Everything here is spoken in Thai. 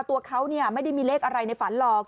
ตัวเขาไม่ได้มีเลขอะไรในฝันหรอก